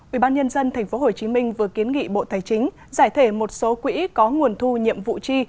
ubnd tp hcm vừa kiến nghị bộ tài chính giải thể một số quỹ có nguồn thu nhiệm vụ chi